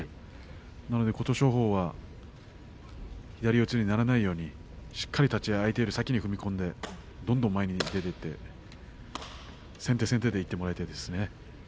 なので琴勝峰は左四つにならないようにしっかりと立ち合い、相手よりも先に踏み込んで、どんどん前に出ていって先手先手でいってもらいたいですね。